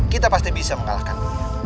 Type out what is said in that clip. kita pasti bisa mengalahkan